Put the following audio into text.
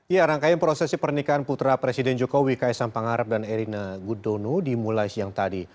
ya rangkaian prosesi pernikahan putra presiden jokowi kaisang pangarep dan erina gudono dimulai siang tadi